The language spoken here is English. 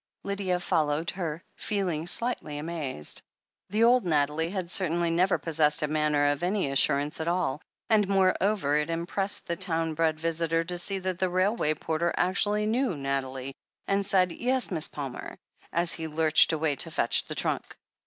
Lydia followed her, feeling slightly amazed. The old Nathalie had certainly never possessed a manner of any assurance at all, and moreover it impressed the town bred visitor to see that the railway porter actually knew Nathalie, and said "Yes, Miss Palmer," as he lurched away to fetch the trunk.